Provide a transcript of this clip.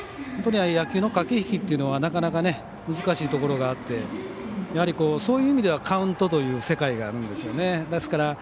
本当に野球の駆け引きというのはなかなか難しいところがあってやはりそういう意味ではカウントという世界があるんですね。